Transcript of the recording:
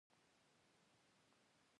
کورس د ستونزو د حل تمرین دی.